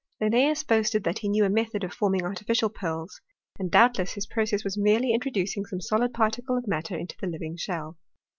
Linnseus boasted that he knew a method of forming artificial pearls ; and doubtless his process was merely introducing some solid particle of matter into the living shell.